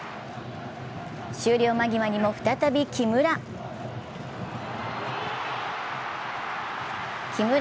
終了間際にも再び木村。